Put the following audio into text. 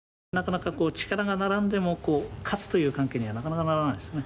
力が並んでも勝つという関係にはなかなかならないですね。